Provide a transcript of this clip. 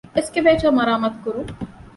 އެސްކަވޭޓަރ މަރާމާތުކުރުން